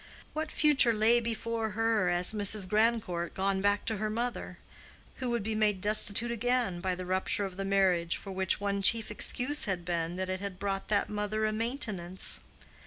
What future lay before her as Mrs. Grandcourt gone back to her mother, who would be made destitute again by the rupture of the marriage for which one chief excuse had been that it had brought that mother a maintenance?